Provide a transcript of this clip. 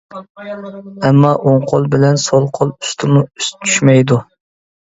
ئەمما ئوڭ قول بىلەن سول قول ئۈستمۇ ئۈست چۈشمەيدۇ.